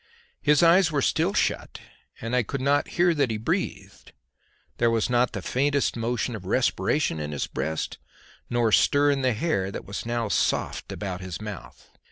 His eyes were still shut, and I could not hear that he breathed; there was not the faintest motion of respiration in his breast nor stir in the hair, that was now soft, about his mouth.